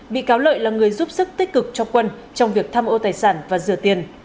bị cáo lợi là người giúp sức tích cực cho quân trong việc tham ô tài sản và rửa tiền